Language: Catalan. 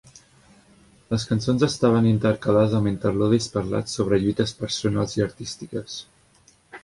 Les cançons estaven intercalades amb interludis parlats sobre lluites personals i artístiques.